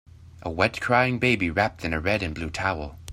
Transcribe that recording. A wet crying baby wrapped in a red and blue towel.